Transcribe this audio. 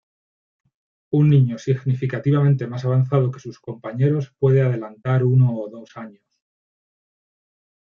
Un niño significativamente más avanzado que sus compañeros puede adelantar uno o dos años.